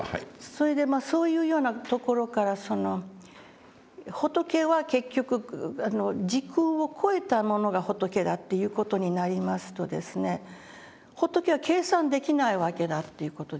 それでそういうようなところから仏は結局時空を超えたものが仏だっていう事になりますと仏は計算できないわけだという事ですよね。